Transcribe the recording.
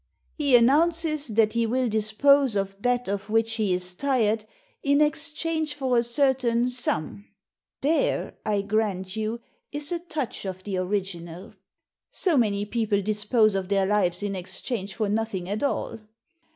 He announces that he will dispose of that of which he is tired in exchange for a certain suncL There, I grant you, is a touch of the original. So many people dispose of their lives in exchange for nothing at all